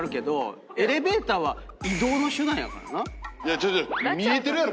ちょちょ見えてるやろ。